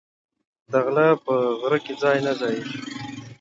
دغله په غره کی نه ځاييږي